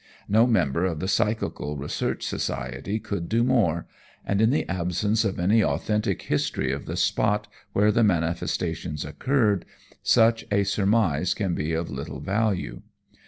No member of the Psychical Research Society could do more and in the absence of any authentic history of the spot where the manifestations occurred, such a surmise can be of little value.